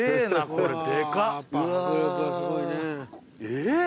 えっ？